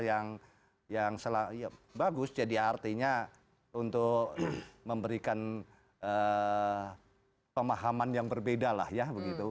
yang bagus jadi artinya untuk memberikan pemahaman yang berbeda lah ya begitu